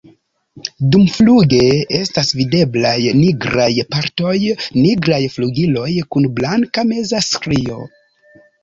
Dumfluge estas videblaj nigraj partoj, nigraj flugiloj kun blanka meza strio.